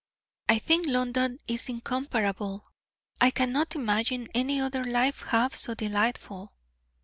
"I think London is incomparable; I cannot imagine any other life half so delightful."